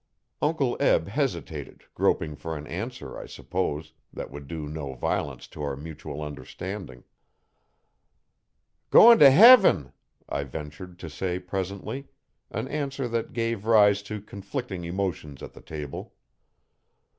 Uncle Eb hesitated, groping for an answer, I suppose, that would do no violence to our mutual understanding. 'Goin' t' heaven,' I ventured to say presently an answer that gave rise to conflicting emotions at the table.